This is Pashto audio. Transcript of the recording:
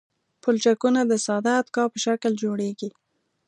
پلچکونه د ساده اتکا په شکل جوړیږي